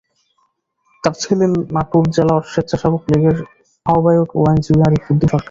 তার ছেলে নাটোর জেলা স্বেচ্ছাসেবক লীগের আহ্বায়ক ও আইনজীবী আরিফ উদ্দিন সরকার।